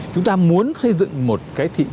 chúng ta muốn xây dựng một cái thị trường